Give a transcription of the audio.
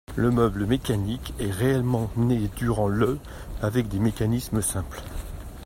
Le meuble mécanique est réellement né durant le avec des mécanismes simples.